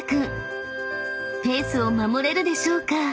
［ペースを守れるでしょうか？］